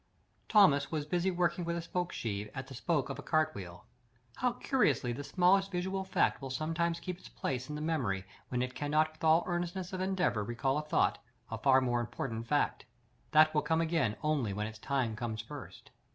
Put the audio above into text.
Thomas was busy working with a spoke sheave at the spoke of a cart wheel. How curiously the smallest visual fact will sometimes keep its place in the memory, when it cannot with all earnestness of endeavour recall a thought—a far more important fact! That will come again only when its time comes first.